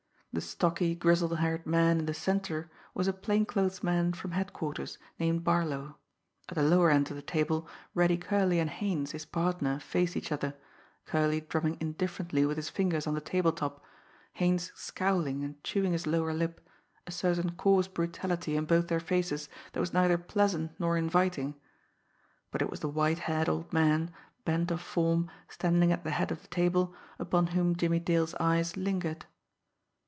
The stocky, grizzle haired man in the centre was a plain clothes man from headquarters, named Barlow; at the lower end of the table Reddy Curley and Haines, his partner, faced each other, Curley drumming indifferently with his fingers on the table top, Haines scowling and chewing his lower lip, a certain coarse brutality in both their faces that was neither pleasant nor inviting; but it was the white haired old man, bent of form, standing at the head of the table, upon whom Jimmie Dale's eyes lingered.